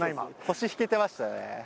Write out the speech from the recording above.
腰引けてましたね。